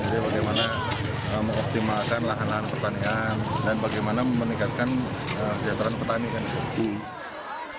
jadi bagaimana mengoptimalkan lahan lahan pertanian dan bagaimana meningkatkan kejahatan pertanian